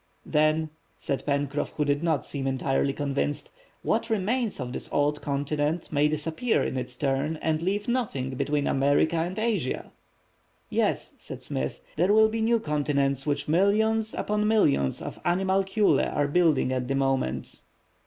"Then," said Pencroff, who did not seem entirely convinced, "what remains of this old continent may disappear in its turn and leave nothing between America and Asia." "Yes," said Smith, "there will be new continents which millions upon millions of animalculæ are building at this moment."